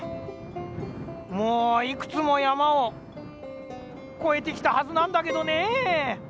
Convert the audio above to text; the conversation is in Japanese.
もういくつもやまをこえてきたはずなんだけどねぇ。